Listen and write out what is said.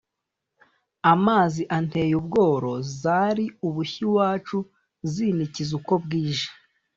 Amazi anteye ubworo Zari ubushyo iwacu Zinikiza uko bwije;